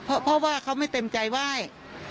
เพราะว่าเขาไม่เต็มใจไหว้